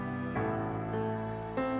kau mau ngapain